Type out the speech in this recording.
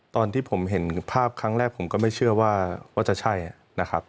ตอนที่ผมเห็นภาพครั้งแรกผมก็ไม่เชื่อว่าจะใช่นะครับ